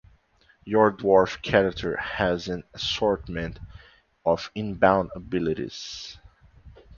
Your dwarf character has an assortment of inborn abilities.